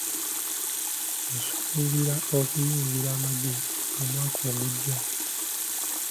Nsuubira okuyingira amagye omwaka ogujja .